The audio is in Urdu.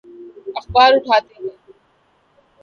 اخبار اٹھاتے ہیں۔